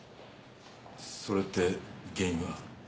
それって原因は。